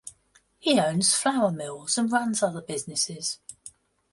He owns flour mills and runs other businesses.